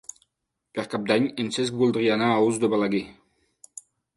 Per Cap d'Any en Cesc voldria anar a Os de Balaguer.